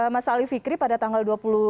mas ali fikri pada tanggal dua puluh